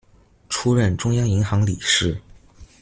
出任中央银行理事。